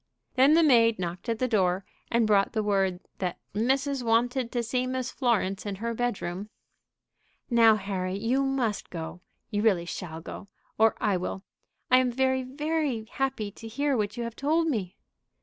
Then the maid knocked at the door, and brought word "that missus wanted to see Miss Florence in her bedroom." "Now, Harry, you must go. You really shall go, or I will. I am very, very happy to hear what you have told me."